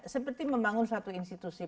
seperti membangun suatu institusi